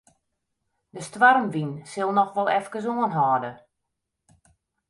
De stoarmwyn sil noch wol efkes oanhâlde.